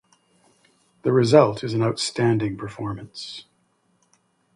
The result is an outstanding performance.